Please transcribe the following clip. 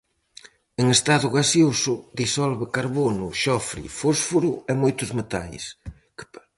En estado gaseoso, disolve carbono, xofre, fósforo e moitos metais.